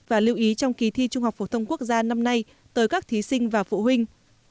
và lưu ý trong kỳ thi trung học phổ thông quốc gia năm nay tới các thí sinh và phụ huynh